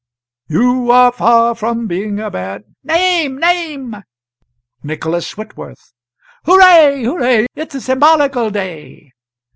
"'You are far from being a bad '" "Name! name!" "'Nicholas Whitworth.'" "Hooray! hooray! it's a symbolical day!"